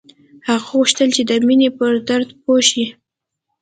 هغه غوښتل چې د مینې پر درد پوه شي